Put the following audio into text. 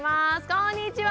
こんにちは！